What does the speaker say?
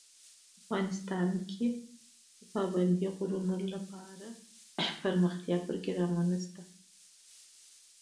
افغانستان کې د پابندی غرونه لپاره دپرمختیا پروګرامونه شته.